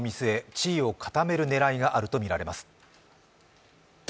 地位を固める狙いがあるとみられます。